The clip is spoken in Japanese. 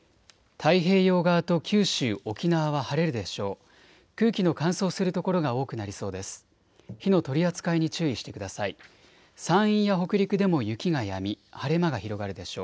太平洋側と九州、沖縄は晴れるでしょう。